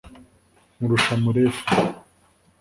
nkurusha murefu,